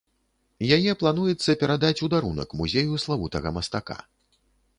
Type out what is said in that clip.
Яе плануецца перадаць у дарунак музею славутага мастака.